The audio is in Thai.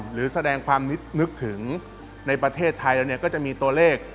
หรือแสดงความนึกถึงในประเทศไทยเราก็จะมีตัวเลข